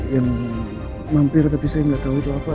yang mampir tapi saya gak tau itu apa